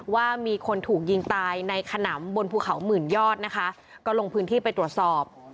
ว่ามีคนถูกยิงตายในขนำบนภูเขาหมื่นยอดนะคะก็ลงพื้นที่ไปตรวจสอบ